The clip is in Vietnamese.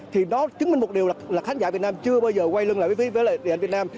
thì đó chứng minh một điều là khán giả việt nam chưa bao giờ quay lưng lại với việt nam